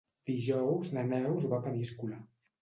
Dijous na Neus va a Peníscola.